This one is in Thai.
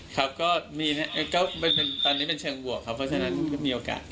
หลังอันนี้นิดนึงอยากรู้ครับก็ตอนนี้เป็นเชิงบวกครับเพราะฉะนั้นมีโอกาส